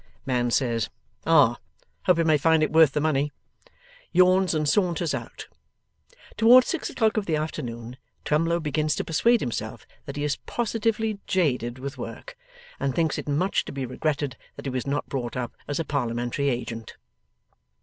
Man says, 'Ah! Hope he may find it worth the money!' yawns, and saunters out. Towards six o'clock of the afternoon, Twemlow begins to persuade himself that he is positively jaded with work, and thinks it much to be regretted that he was not brought up as a Parliamentary agent.